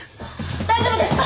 大丈夫ですか？